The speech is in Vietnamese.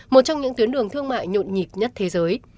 một trong những tuyến đường thương mại nhộn nhịp nhất thế giới